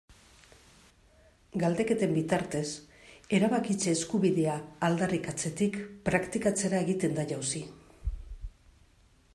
Galdeketen bitartez, erabakitze eskubidea aldarrikatzetik praktikatzera egiten da jauzi.